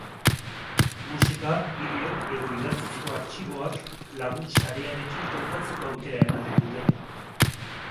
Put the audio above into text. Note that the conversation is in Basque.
Musika, bideo edo idatzizko artxiboak lagun sarearekin trukatzeko aukera ematen dute.